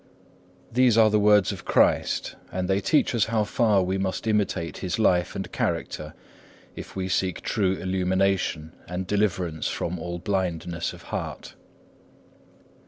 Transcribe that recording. These are the words of Christ; and they teach us how far we must imitate His life and character, if we seek true illumination, and deliverance from all blindness of heart.